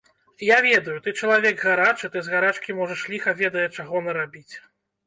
Я ведаю, ты чалавек гарачы, ты з гарачкі можаш ліха ведае чаго нарабіць.